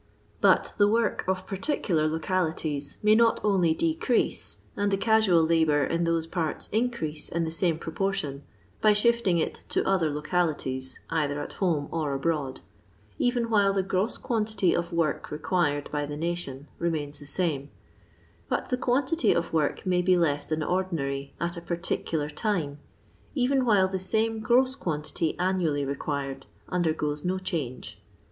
But the work of particular localities may not only decrease, and the casual labour, in those parts, increase in the same proportion, by shifting it to other localities (cither at home or abroad), even while the gross quantity of work required by the nation remains the same, but the quantity of work may be leu than ordinary at a articular time, even while the same gross quantity annually required undergoes no change.